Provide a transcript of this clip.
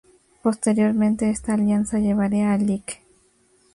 Posteriormente esta alianza llevaría al Lic.